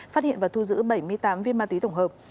phát hiện và thu giữ bảy mươi tám viên ma túy tổng hợp